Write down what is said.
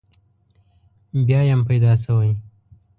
بیا یم پیدا شوی.